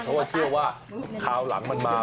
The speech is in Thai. เพราะว่าเชื่อว่าคราวหลังมันมา